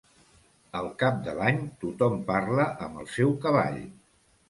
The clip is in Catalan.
Al cap de l'any tothom parla amb el seu cavall.